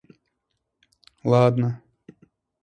Ладно!